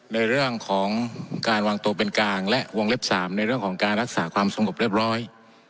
ในเรื่องของการวางตัวเป็นกลางและวงเล็บ๓ในเรื่องของการรักษาความสงบเรียบร้อย